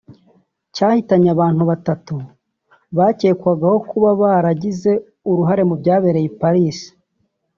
cyahitanye abantu batatu byacyekwagaho kuba baragize uruhare mu byabereye i Paris